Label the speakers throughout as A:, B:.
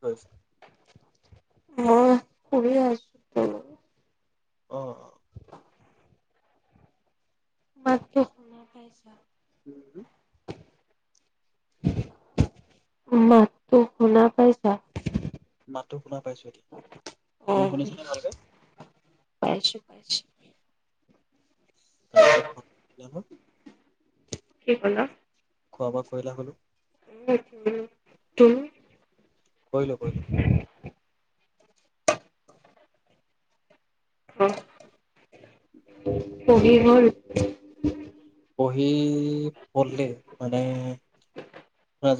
A: হয়।
B: অ', শুই এ আছো।
A: অ'।
B: মাতটো শুনা পাইছা?
A: উম।
B: মোৰ মাতটো শুনা পাইছা?
A: মাতটো শুনা পাইছো এতিয়া তুমি শুনিছানে ভালকে?
B: পাইছো-পাইছো।
A: তাৰপিছত [unintelligible]
B: কি ক'লা?
A: খোৱা বোৱা কৰিলা হ'লো?
B: উ উম তুমি?
A: কৰিলো কৰিলো।
B: অ', পঢ়ি হ'ল?
A: পঢ়ি পঢ়লে মানে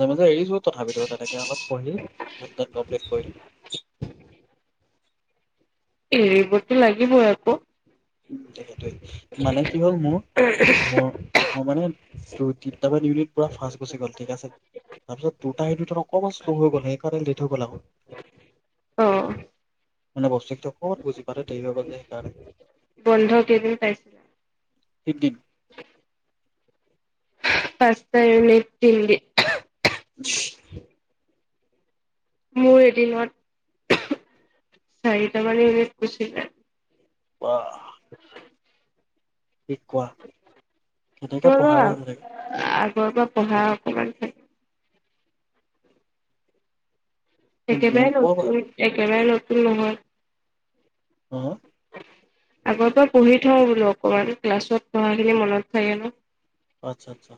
A: মাজে এৰিছো তথাপিতোও তেনেকে অলপ পঢ়ি কমপ্লিট কৰিলো।
B: এৰিবতো লাগিবই আকৌ।
A: উ সেইটোৱে মানে কি হ'ল মোৰ-মোৰ-মোৰ মানে তিনিটামান ইউনিট পুৰা ফাৰ্ষ্ট গুচি গ'ল ঠিক আছে। তাৰপিছত দুটা ইউনিটত অকমান শ্ল' হৈ গল সেইকাৰ লেট হৈ গ'ল আকৌ।
B: অ'।
A: মান বস্ত [unintelligible] অকত বুজি পাল দে হৈ গল যে সেইণে [unintelligible]
B: বন্ধ কেইদিন পাইছিলে
A: তিনদিন
B: পচ ন নিতি [unintelligible]
A: উম
B: মোৰ এদিনত চাৰিটাামান উ গুচিলে
A: বা
B: [inaudible]
A: শিক কোৱা কেনেকে পঢ়ায় তেনেকে
B: ৰ বা পঢ়া অকমান ভ একেবাৰে
A: মোক অ
B: লগো একেবাৰে লগ উহ
A: হ
B: আগৰ পৰা পঢ়ি থওঁ বোলো অকমান ক্লাছত পঢ়াখিনি মনত খায়ে ন
A: আচ্ছা আচ্ছা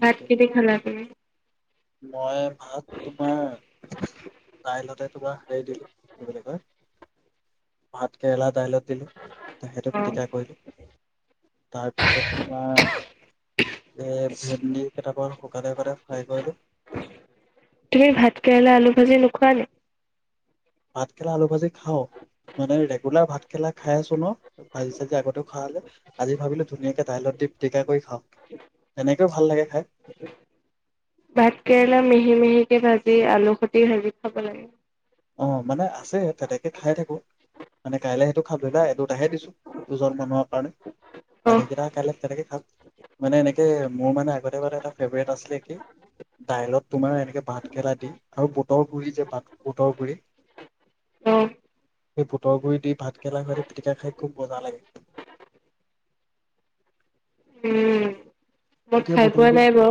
B: ভাত কি দি খালা তুমি
A: মই ভাত তোমাৰ দাইলতে তোমাৰ হেৰি দিলোবিলাকৰ ভাত কেৰেলা দাইলত দিলোঁ সেইটো
B: অ',
A: পিটিকা কৰিলোঁ তাৰপিছত তোমাৰ এ ভেন্দি কেইটাপ শুকতে শুকাতে ফ্ৰাই কৰিলো
B: তুমি ভাত কেৰালা আলু ভাজি নোখোৱা নে
A: ভাত খেলা আলু ভাজি খাও মানে ৰেগুলাৰ ভাত খেলা খাই আছো ন ভাজি চাজি আগতেও খোৱা হলে আজি ভাবিলো ধুনীয়াকে দাইলত দি টেকা কৰি খাওঁ
B: উ
A: এনেকও ভালাগে
B: ভাত কেৰেলা মিহি মিহি ভাজি আলু খটি ভাজি খাব লাগে
A: অ মানে আছে তেনেকে খাই থাকো মানে কাইলে সেইটো খালো দা এই দুতাহে দিছো দুজন মানুহৰ কাৰণে বাকী
B: অ',
A: কেটা কাইলি তেনেকে খ মানে এনেকে মোৰ মানে আগতে ক এটা ফেভৰেট আছিলে কি দাইলত তোমাৰ এনেকে ভাতকেলা দি আৰু বুটৰ গুৰি যে ভাত বুটৰ গুৰি
B: অ',
A: সেই বুটৰ গুৰি দি ভাতকৰেেলা খতে পিটিকা খাই খুব মজা লাগে
B: উম, মই
A: এতিয়া
B: খাই
A: বুটৰ
B: পোৱা
A: গুৰি
B: নাই বাৰু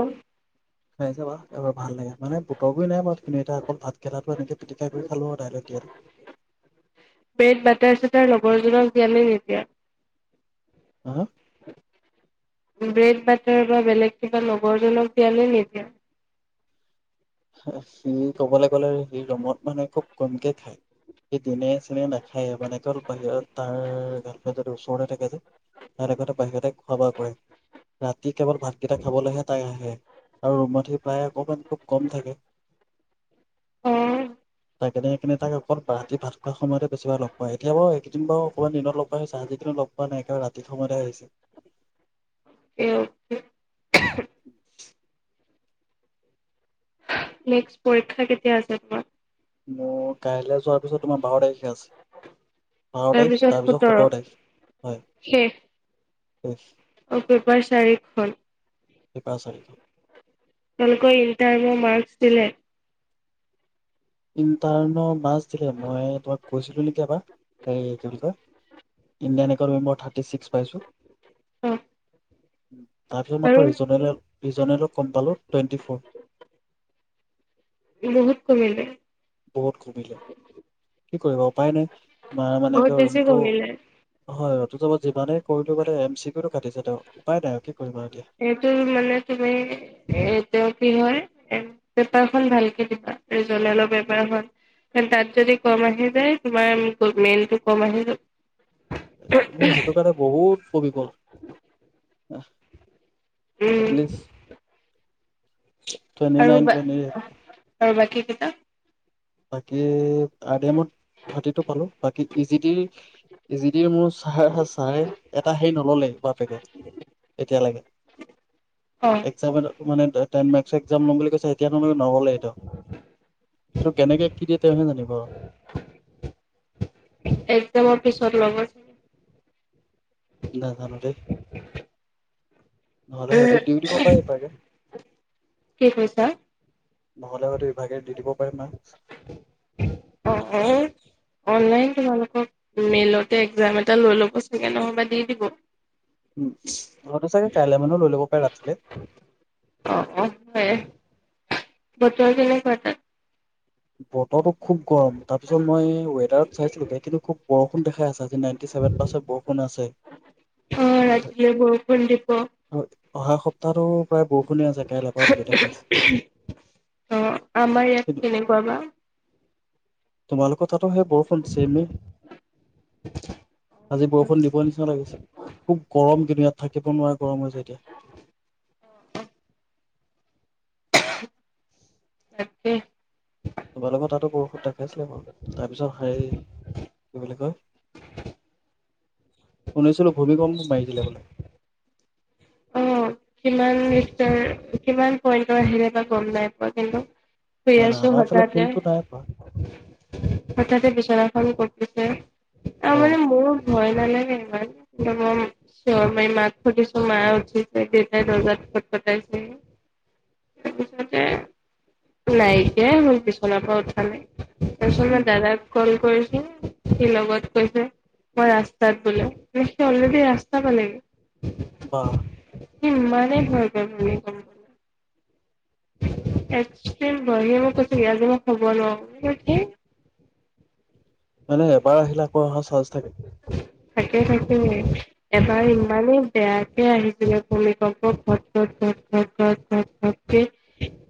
A: খাই চাবা এবাৰ ভাল লাগে মানে বুটৰকো নাই বাৰু এতিয়া অকল ভাত কেলাটো এনেকে পিটিকাই কৰি খালো আৰু দাইলত দিয়
B: দিয়ানে নিদিয়া
A: হা
B: ব্ৰেড বাটাৰ বা বেলেগ কিবা লগৰজনক দিয়া নে নিদিয়া
A: সি ক'বলৈ গ'লে সি ৰুমত মানে খুব কমকে খায় সেইটো ন চনে ন খাই মানে গ'ল বাহিৰত তাৰ গ যদি ওচৰতে থাকে যায় তাৰ আগতে বাহিৰতে খোৱা বোৱা কৰে ৰা যি কেৱল ভাতকেইটা খাবলৈহে তাই আহে আৰু ৰুমত সি পায় অকমান টোক কম থাকে
B: অ',
A: তাক কেনে সেইকাৰনে তাক অকল ৰাতি ভাত খোৱা সময়তে বেছিভাগ লগ পায় এতিয়া বাৰু এইকেইদিন বাৰু অকমান দিনত লগ পোৱা হৈছে আজি কিনত লগ পোৱা নাই একেবাৰে ৰাতিৰ সময়তে আহিছে
B: অকে, নেক্স পৰীক্ষা কেতিয়া আছে তোমাৰ
A: মোৰ কাইলৈ যোৱাৰ পিছত তোমাৰ বাৰ তাৰিখে আছে বাৰ তাৰিখ তাৰপিছত সোতৰ তাৰিখ হয় শেষ
B: অ বেপাৰ চাৰি হ'ল
A: পাছ আই থ
B: তেওঁলোকৰ ইণ্টাৰভিউ মাৰ্ক দিলে
A: ইণ্টাৰনো বাছ ছিলে মই তোমাক কৈছিলো নেকি এবাৰ হে কি বুলি কয় ইণ্ডিয়ান একাডেমী বৰ থাৰ্টি ছিক্স পাইছো
B: অ
A: ওম তাৰপিছত
B: আৰু
A: মাত্ৰ ৰিজনেলে ৰিজনেল কম পালো টুৱেণ্টি ফ'ৰ
B: বহুত কমিল
A: বহুত কমিলে কি কৰিব উপায় নাই তোমাৰ মানে
B: বহুত
A: কি
B: বেছি
A: ৰমটো
B: কমিলে
A: হয় [unintelligible] যিমানেই কৰিলো মানে এম চি কিউ কাটিছে দে উপাই নাই কি কৰিবা
B: এইটো মানে তুমি এইটোয়া কি হয় এ পেপাৰখন ভালকে দিবা ৰিজনেল পেপাৰ খন তাত যদি কম আহি যায় তোমাৰ মেইনটো কম আহি যাব
A: মোৰ সেইটো কাৰণে বহুত কমি গ'ল আহ
B: উম
A: টুৱেণ্টি
B: আৰু
A: নাইন
B: বা
A: [unintelligible]
B: আৰু বাকী কেইটা
A: বাকী আই ডি এমত থাৰ্টিটো পালো বাকী ইজি ডিৰ ই জি ডিৰ মোৰ ছাহ ছাহ এটা হেৰি নল'লে বাপেকে এতিয়ালৈকে
B: অ
A: এক্সপ মানে টেন মাৰ্কস একজাম ল'ম বুলি কৈছে এতিয়া তোকে নগ'লে এই সেইটো কেনেকে কি দিয়ে তেওঁহে জানিব আৰু
B: এক্জামৰ পিছত ল'ব চাগে
A: দাদাধ নতে নহলে হয়তো দিউ দিব পাৰে পে
B: কি কৈছা
A: নহ'লে হয়তো ইভাগে দি দিব পাৰে না
B: আহ অনলাইন তোমালোকক মেইেলতে এক্জাম এটা লৈ ল'ব চাগে নহয়বা দি দিব
A: উ উ হয় চাগে কাইলে মানো লৈ লব পাৰে ৰাতিলে
B: হ বতৰ কেনে পটাত
A: বতৰটো খুব গৰম তাৰপিছত মই ৱেডাৰত চাইছিলোগে কিন্তু খুব বৰষুণ দেখাই আছে আজি নাইনটি চছেভেন পাৰ্চেণ্ট বৰষুণ আছে
B: অ',
A: হয়
B: ৰাতিলৈ বৰষুণ দিব
A: হয় অহা সপ্তাহটো প্ৰায় বৰষুণে আছে কাইলৈ পৰাা বুলি দেখাইছে
B: অ', আমাৰ ইয়াত
A: কিন্তু
B: কেনেকুৱা বা
A: তোমালোক কথাটো সেই বৰষুণ চেমেই আজি বৰষুণ দিব নিচিনা লাগিছে খুব গৰম কিন্তু ইয়াত থাকিব নোৱা গৰম হৈছে এতিয়া
B: তাকে
A: তোমালোকৰ তাতো বৰষুন দেখাইছিলে বাৰু তাৰপিছত হেৰি কি বুলি কয় শুনিছিলো ভূমি কম মাৰি দিলে বোলে
B: অ', কিমান কিমান পইণ্টৰ আহিলে বা গম নাই পোৱা কিন্তু প
A: নাই নাই
B: আছো
A: আমাৰ
B: হঠতে
A: ফালে ফিল্ডটো নাই কৰা
B: হতে পচাৰ ৰাখ ক উম অ মানে মোৰ ভয় ন নাই ন ন কি ম চ ম মাথ চ ম অ ৰজাত ফট কটাইছে তাৰপিছতে নাইকিয় মোৰ বিছনাৰ পৰা উঠালে তচল ম
A: উম,
B: দাদা কল সি লগত কৈছে মই ৰাস্তাত বোলে সি অলৰেডি ৰাস্তা পালেগে
A: বাহ
B: নিম মনে হদ নি তান একিম ব়ে মই কৈছজ মই খব নোৱাৰোঠি [unintelligible]
A: মানে এবাৰ আহিলে আকৌ অহা চাৰ্জ থাকে
B: থাকে থাকে এবাৰ ইমানেই বেয়াকে আহিছিলে ভূমিকম্প ঘ ঘকে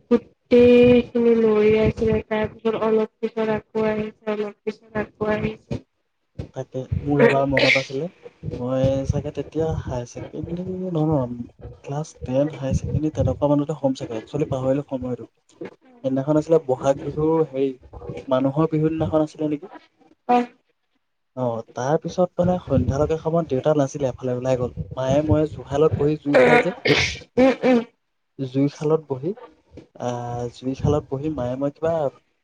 B: গোটেই খিনি লৰি আছিলে তাৰপিছত অলপ কিশৰ আকৌ আহিছে অলপশৰ আকৌ আহিছে
A: মোৰ এবাৰ মনত আছিলে। মই চাগে তেতিয়া হাই ছেকেণ্ডৰী নহয় ক্লাছ টেন হাই ছেকেণ্ডৰী তেনেকুৱা মানতে হ'ম চাগে। একচুৱেলি পাহৰিলো সময়টো। সেইদিনাখন আছিলে ব'হাগ বিহুৰ হেৰি মানুহৰ বিহু দিনাখন আছিলে নেকি?
B: [inaudible]
A: অ। তাৰ পিছত মানে সন্ধিয়া লৈকে সময়ত দেউতা নাছিলে। [unintelligible] ওলাই গ'ল মায়ে মইয়ে জুহালত
B: [unintelligible] উম উম।
A: জুই শালত বহি, আ জুই শালত বহি মায়ে ময়ে কিবা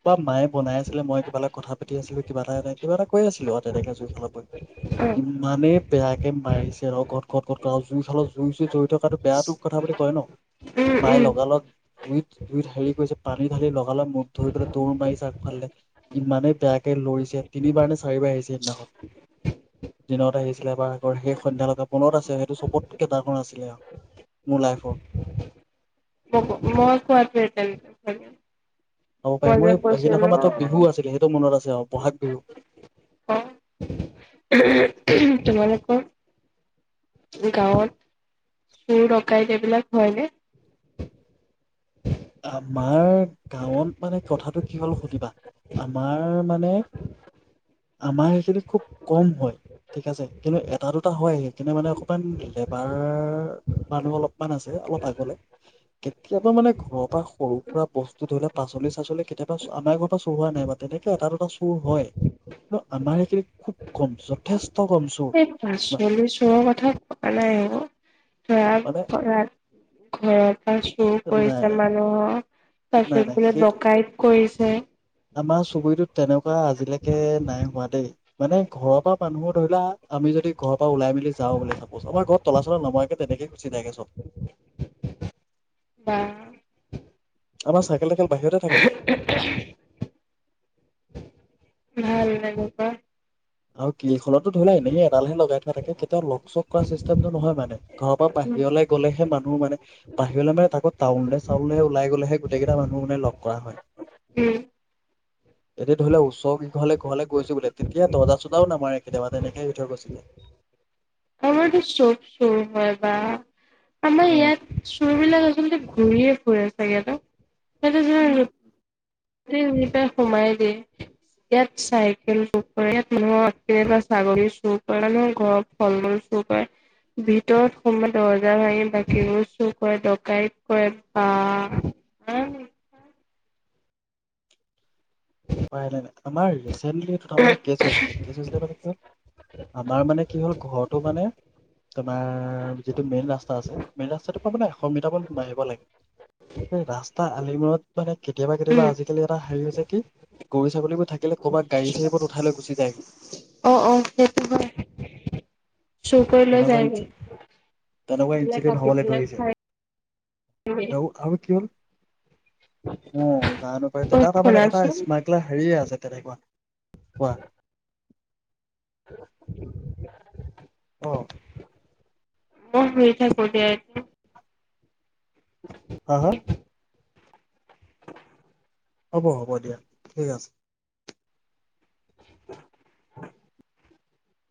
A: বা মায়ে বনাই আছিলে মই সিফালে কথা পাতি আছিলো কিবা এটা কৈ আছিল ধৰা তেনেকে জুই শালত বহি,
B: উম
A: ইমানেই বেয়াকে মাৰিছে ন ক'ত, ক'ত, ক'ত আৰু জুই শালৰ জুই, চুই, চুই থকাটো বেয়াটো কথা বুলি কয় ন। মায়ে
B: উম
A: লগালগ জুইত, জুইত হেৰি কৰিছে পানী ঢালি লগালগ মুক ধৰি পেলাই দৌৰ মাৰিছে। আগফাললে ইমানে বেয়াকে লৰিছে তিনিবাৰ নে চাৰি বাৰ আহিছিল সেইদিনাখন। দিনত আহিছিল এবাৰ আকৌ সেই সন্ধিয়া লগা মনত আছে সেইটো চবতকে দা অ আছিলে, অ মোৰ লাইফৰ
B: হব ময় কোৱা টোয়ে
A: হ'ব পাৰে। মই সেইদিনাখন মাত্ৰ বিহু আছিলে। সেইটো মনত আছে আৰু বহাগ বিহু।
B: অ তোমালোক গাঁৱত চুৰ ডকাইতি এইবিলাক হয় নে?
A: আমাৰ গাঁৱত মানে কথাটো কি হ'ল সুধিবা, আমাৰ মানে আমাৰ সেইখিনি খুব কম হয় ঠিক আছে কিন্তু এটা দুটা হয়, সেইখিনি মানে অকমান লেবাৰ মানুহ অলপমান আছে অলপ আগলৈ কেতিয়াবা মানে ঘৰত বা সৰু সুৰা বস্তু ধৰি লোৱা পাচলি, চাচলি কেতিয়াবা আনা গম চুৰ হোৱা নাই, বাত তেনেকে এটা দুটা [unintelligible] চুৰ হয়। অ আমাৰ হেখিনীত খুব কম যথেষ্ট কম চুৰ
B: এই পাচলি চোৰৰ কথা কোৱাঁ নাই অ।
A: মানে
B: [unintelligible] [unintelligible] চুৰ
A: নাই
B: কৰিছে
A: নাই
B: মানুহৰ। তাৰ
A: নাই
B: পিচত
A: নাই
B: বোলে
A: সেইটো
B: ডকাইত কৰিছে টে
A: আমাৰ চুবুৰিটোত তেনেকুৱা আজিলৈকে নাই হোৱা দেই মানে ঘৰৰ পৰা মানুহৰ ধৰিলোৱা আমি যদি ঘৰৰ পৰা ওলাই মেলি যাওঁ বোলে চাপজ, আমাৰ ঘৰত তলা চলা নমৰাকে তেনেকে গুচি যায়গে চব।
B: বা
A: আমাৰ চাইকেল-তাইকেল বাহিৰতে থাকে।
B: [unintelligible]
A: [unintelligible] গিল খনতো ধৰিলোৱা এনেই এডালাহে লগাই থোৱা থাকে। কেতিয়াও লক চক কোৱা চিষ্টেমটো নহয় মানে। ঘৰৰ পৰা বাহিৰলৈ গলেহে মানুহ মানে বাহিৰলে মানে তাকো টাউনলে চাউলেহে ওলাই গ'লেহে গোটেইকেইটা মানুহ মানে লগ কৰা হয়
B: উম
A: এতিয়া ধৰি লও ওচৰ কেইঘৰলে ঘৰলে গৈছে বোলে তেতিয়া দৰ্জা চৰ্জাও নামাৰে কেতিয়াবা তেনেকে ভিতৰত গুচি যায়
B: আমাৰতো চব সৰু হয় বা আমাৰ
A: অ'।
B: ইয়াত চুৰ বিলাক আচলতে ঘূৰিয়ে ফুৰে চাগে ন সেনেহেন
A: উম।
B: আৰু উম সোমাই দিয়ে ইয়াত চাইকেল চুৰ কৰে ইয়াত মানুহৰ কেতিয়াবা ছাগলী চুৰ কৰে মানুহৰ ঘৰত ফল মূল চুৰ কৰে ভিতৰত সোমাই দৰ্জা ভাঙি বাকীবোৰ চুৰ কৰে ডকাইত কৰে বা
A: উপায় নাই আমাৰ তাৰমানে কেছ হৈছিলে কেছ হৈছিলে মানে কি হল আমাৰ মানে কি হ'ল ঘৰটো মানে তোমাৰ যিটো মেইন ৰাস্তা আছে মেইন ৰাস্তাটোৰ পৰা মানে এশ মিটাৰ মান সোমাই আহিব লাগে সেই ৰাস্তা আলিমূৰত মানে কেতিয়াবা
B: উম
A: কেতিয়াবা আজিকালি এটা হেৰি হৈছে কি গৰু ছাগলীবোৰ থাকিলে কৰবাত গড়ী চাৰীবোৰত উঠাই গুছি যায়
B: অ অ সেইটো হয় চুৰ কৰি লৈ
A: তেনেকোৱা
B: যায়গৈ
A: তেনেকোৱা ইনঞ্চিডেণ্ট
B: কাটি
A: হবলৈ
B: পেলাই
A: ধৰিছে
B: খাই
A: আৰু আৰু কি হল অ জানো পাৰ
B: অ
A: তেতিয়া তাৰ মানে এটা
B: শুনাচোন
A: স্মাগলাৰ হেৰিয়ে আছে তেনেকোৱা কোৱা
B: [unintelligible]
A: অহ
B: মই শুই থাকো দে তুমি
A: হা হা হ'ব হ'ব দিয়া ঠিক আছে
B: [unintelligible]